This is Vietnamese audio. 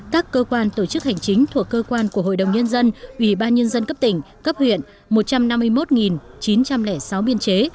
các cơ quan tổ chức hành chính thuộc cơ quan của hội đồng nhân dân ủy ban nhân dân cấp tỉnh cấp huyện một trăm năm mươi một chín trăm linh sáu biên chế